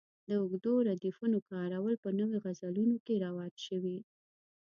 د اوږدو ردیفونو کارول په نویو غزلونو کې رواج شوي.